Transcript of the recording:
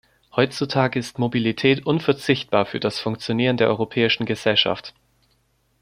Heutzutage ist Mobilität unverzichtbar für das Funktionieren der europäischen Gesellschaft.